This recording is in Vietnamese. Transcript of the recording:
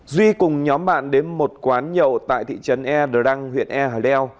duy cùng nhóm bạn đến một quán nhậu tại thị trấn e đờ đăng huyện e hà leo